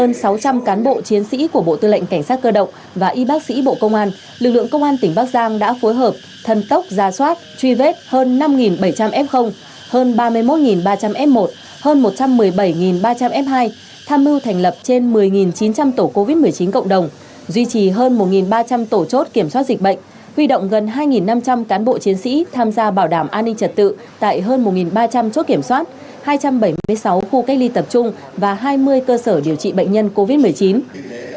từ sáu trăm linh cán bộ chiến sĩ của bộ tư lệnh cảnh sát cơ động và y bác sĩ bộ công an lực lượng công an tỉnh bắc giang đã phối hợp thân tốc ra soát truy vết hơn năm bảy trăm linh f hơn ba mươi một ba trăm linh f một hơn một trăm một mươi bảy ba trăm linh f hai tham mưu thành lập trên một mươi chín trăm linh tổ covid một mươi chín cộng đồng duy trì hơn một ba trăm linh tổ chốt kiểm soát dịch bệnh huy động gần hai năm trăm linh cán bộ chiến sĩ tham gia bảo đảm an ninh trật tự tại hơn một ba trăm linh chốt kiểm soát hai trăm bảy mươi sáu khu cách ly tập trung và hai mươi cơ sở điều trị bệnh nhân của bộ tư lệnh cảnh sát cơ động